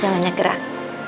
jangan banyak gerak